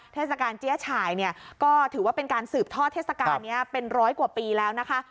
เทศกาลเจี๊ยฉายเนี่ยก็ถือว่าเป็นการสืบทอดเทศกาลนี้เป็นร้อยกว่าปีแล้วนะคะ